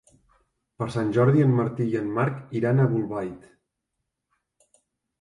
Per Sant Jordi en Martí i en Marc iran a Bolbait.